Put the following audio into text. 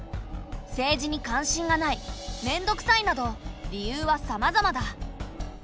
政治に関心がないめんどくさいなど理由はさまざまだ。